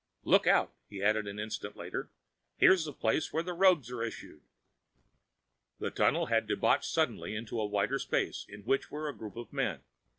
"Look out!" he added an instant later. "Here's the place where the robes are issued!" The tunnel had debouched suddenly into a wider space in which were a group of men.